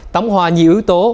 tổng hòa như ưu tố